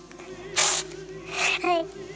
はい。